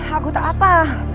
aku tak apa